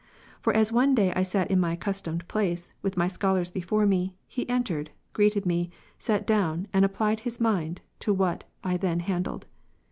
For as one day I sat in my accus tomed place, with my scholars before me, he entered, greeted me, sat down, and applied his mind to what I then handled.